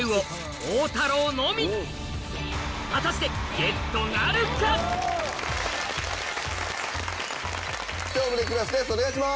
果たして『超無敵クラス』ですお願いします。